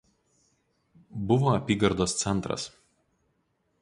Buvo apygardos centras.